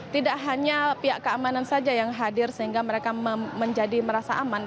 tidak hanya pihak keamanan saja yang hadir sehingga mereka menjadi merasa aman